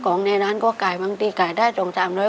ของในร้านก็ก่ายบางทีก่ายได้สองทามน้อย